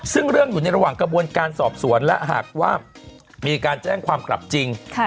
ซึ่งเรื่องอยู่ในระหว่างกระบวนการสอบสวนและหากว่ามีการแจ้งความกลับจริง